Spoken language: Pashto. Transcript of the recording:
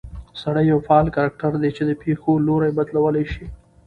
سړى يو فعال کرکټر دى، چې د پېښو لورى بدلولى شي